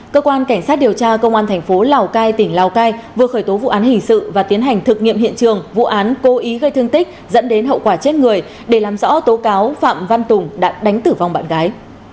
cơ quan cảnh sát điều tra công an thành phố lào cai tỉnh lào cai vừa khởi tố vụ án hình sự và tiến hành thực nghiệm hiện trường vụ án cố ý gây thương tích dẫn đến hậu quả chết người để làm rõ tố cáo phạm văn tùng đã đánh tử vong bạn gái